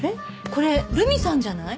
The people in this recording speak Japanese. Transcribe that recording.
これ留美さんじゃない？